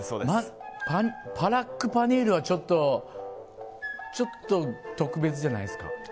パラックパニールはちょっと特別じゃないですか。